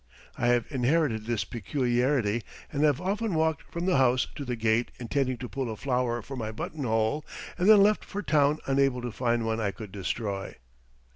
I have inherited this peculiarity and have often walked from the house to the gate intending to pull a flower for my button hole and then left for town unable to find one I could destroy.